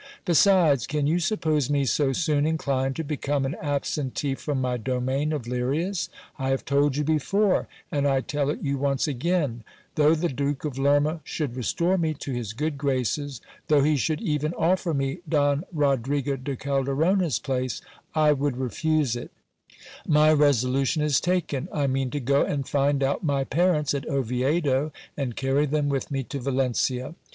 Besides, can you suppose me so soon inclined to become an absentee from my domain of Lirias ? I have told you before, and I tell it you once again : Though the Duke of Lerma should restore me to his good graces, though he should even offer me Don Rodrigo de Calderona's place, I would refuse it My resolution is taken : I mean to go and find out my parents at Oviedo, and carry them with me to Valencia.